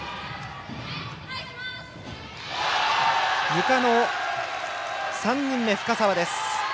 ゆかの３人目、深沢です。